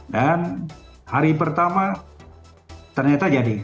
dan hari pertama ternyata jadi